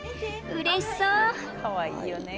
うれしそう。